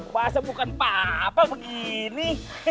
masa bukan papa begini